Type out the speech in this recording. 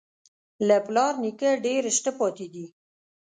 له پلار نیکه ډېر شته پاتې دي.